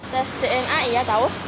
tes dna ya tau